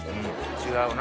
違うな。